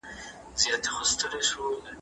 په دغه وخت کي بازار ډېر ګڼه ګوڼه لري.